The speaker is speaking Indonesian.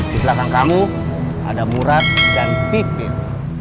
di belakang kamu ada murad dan pipit